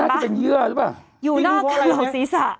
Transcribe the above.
น่าจะเป็นเยื่อหรือเปล่า